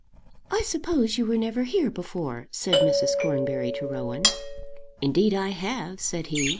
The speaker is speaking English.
"I suppose you never were here before," said Mrs. Cornbury to Rowan. "Indeed I have," said he.